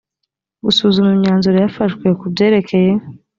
gusuzuma imyanzuro yafashwe ku byerekeye